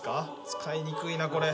使いにくいなこれ。